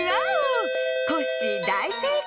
コッシーだいせいかい！